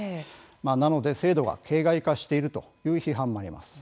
制度が形骸化しているという批判もあります。